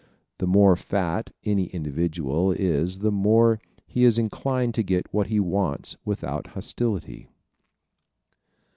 The more fat any individual is the more is he inclined to get what he wants without hostility.